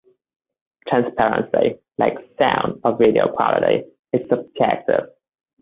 Transparency, like sound or video quality, is subjective.